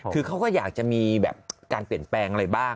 คือเขาก็อยากจะมีแบบการเปลี่ยนแปลงอะไรบ้าง